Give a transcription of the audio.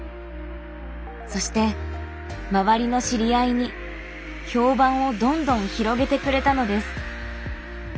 そして周りの知り合いに評判をどんどん広げてくれたのです。